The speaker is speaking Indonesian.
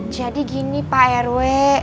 jadi gini pak rw